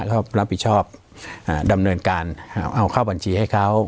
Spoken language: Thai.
ก็รับผิดชอบดำเนินการเอาเข้าบัญชีให้เขา